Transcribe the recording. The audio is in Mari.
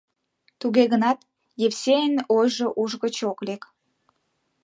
Туге гынат Евсейын ойжо уш гыч ок лек.